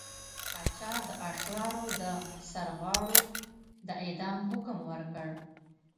پاچا د اشرارو د سرغاړو د اعدام حکم ورکړ.